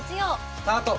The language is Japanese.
スタート！